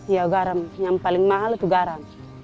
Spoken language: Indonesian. ya garam yang paling mahal itu garam